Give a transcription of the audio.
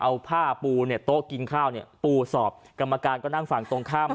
เอาผ้าปูเนี่ยโต๊ะกินข้าวเนี่ยปูสอบกรรมการก็นั่งฝั่งตรงข้าม